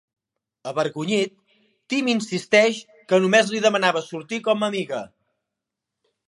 Avergonyit, Tim insisteix que només li demanava sortir com a amiga.